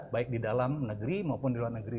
baik di dalam negeri maupun di luar negeri